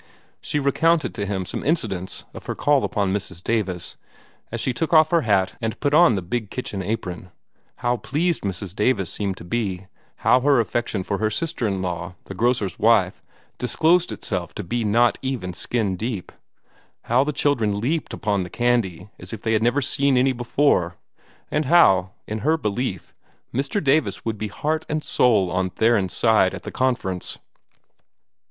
She recounted to him some incidents of her call upon Mrs. Davis, as she took off her hat and put on the big kitchen apron how pleased Mrs. Davis seemed to be; how her affection for her sister in law, the grocer's wife, disclosed itself to be not even skin deep; how the children leaped upon the candy as if they had never seen any before; and how, in her belief, Mr. Davis would be heart and soul on Theron's side at the Conference.